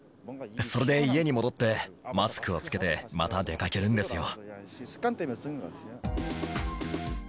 それで家に戻って、マスクを着けてまた出かけるんですよ。